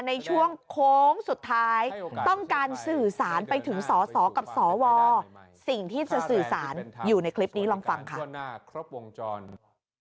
ในช่วงโค้งสุดท้ายต้องการสื่อสารไปถึงสสกับสวสิ่งที่จะสื่อสารอยู่ในคลิปนี้ลองฟังค่ะ